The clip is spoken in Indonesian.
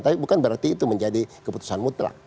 tapi bukan berarti itu menjadi keputusan mutlak